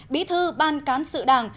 bí thư ban cán sự đảng